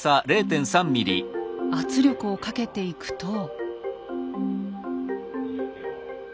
圧力をかけていくと。